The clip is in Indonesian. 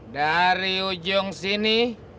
dari ujung sini